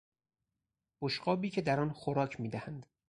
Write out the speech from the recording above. بشقابی که در آن خوراک میدهند